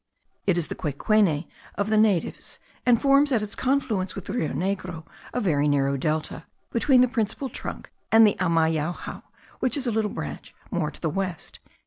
It is the Quecuene of the natives; and forms at its confluence with the Rio Negro a very narrow delta, between the principal trunk and the Amayauhau, which is a little branch more to the west.)